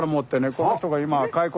この人が今。